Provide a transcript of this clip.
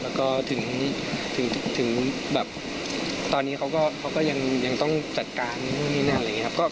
แล้วก็ถึงตอนนี้เขาก็ยังต้องจัดการอะไรอย่างนี้นะครับ